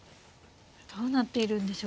どうなっているんでしょうこれ。